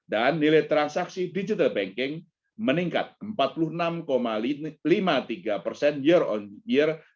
dan nilai transaksi digital banking meningkat empat puluh enam lima puluh tiga persen year on year